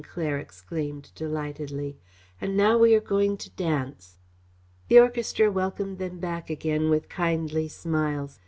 Claire exclaimed delightedly. "And now we are going to dance!" The orchestra welcomed them back again with kindly smiles.